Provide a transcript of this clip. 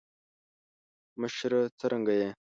مشره څرنګه یی.